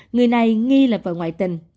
người này nghi là vợ ngoại tình